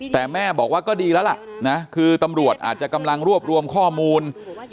แต่แม่บอกว่าก็ดีแล้วล่ะนะคือตำรวจอาจจะกำลังรวบรวมข้อมูล